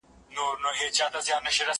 چي پر لاري برابر سي او سړی سي